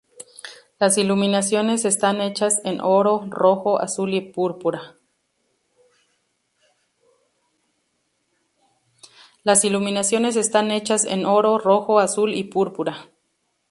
Las iluminaciones están hechas en oro, rojo, azul y púrpura.